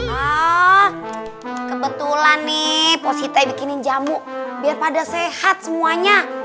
hah kebetulan nih pos siti bikinin jamu biar pada sehat semuanya